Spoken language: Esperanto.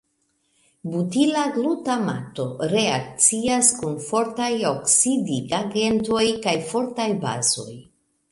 Butila glutamato reakcias kun fortaj oksidigagentoj kaj fortaj bazoj.